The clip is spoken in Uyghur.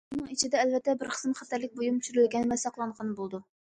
بۇنىڭ ئىچىدە ئەلۋەتتە بىر قىسىم خەتەرلىك بۇيۇم چۈشۈرۈلگەن ۋە ساقلانغان بولىدۇ.